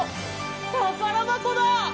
たからばこだ！